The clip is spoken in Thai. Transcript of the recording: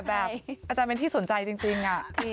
อาจารย์เป็นที่สนใจจริง